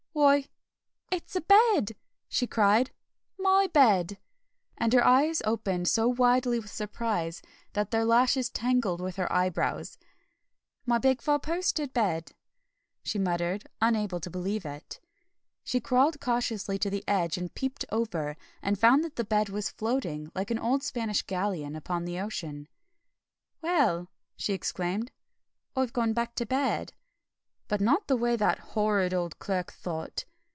"Why, it's a BED!" she cried. "MY bed!" and her eyes opened so widely with surprise that their lashes tangled with her eyebrows. "My big four posted bed!" she muttered, unable to believe it. She crawled cautiously to the edge and peeped over, and found that the bed was floating, like an old Spanish galleon, upon the ocean. "Well!" she exclaimed, "I've gone back to bed, but not the way that horrid old Clerk thought."